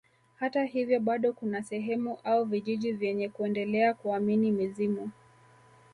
Hata hivyo bado kuna sehemu au vijiji vyenye kuendelea kuamini mizimu